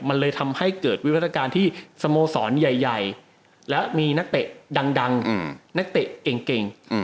มันเลยทำให้เกิดวิวัตการณ์ที่สโมสรใหญ่และมีนักเตะดังนักเตะเก่ง